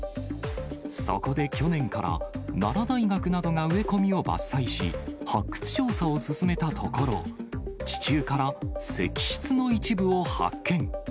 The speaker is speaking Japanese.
そこで去年から、奈良大学などが植え込みを伐採し、発掘調査を進めたところ、地中から石室の一部を発見。